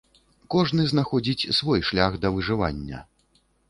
Кожны знаходзіць свой шлях да выжывання.